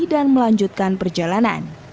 dan melanjutkan perjalanan